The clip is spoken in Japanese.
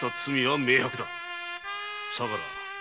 相良！